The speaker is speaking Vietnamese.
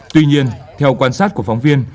tuy nhiên theo quan sát của phóng viên